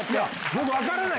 僕分からない